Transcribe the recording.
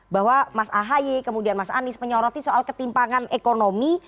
bahwa mas ahaye kemudian mas anies menyoroti soal ketimpangan ekonomi